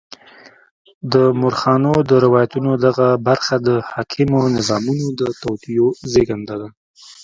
د مورخانو د روایتونو دغه برخه د حاکمو نظامونو د توطیو زېږنده ده.